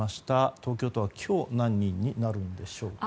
東京都、今日何人になるんでしょうか。